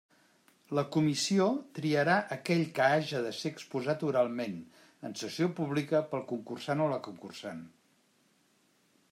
La comissió triarà aquell que haja de ser exposat oralment, en sessió pública, pel concursant o la concursant.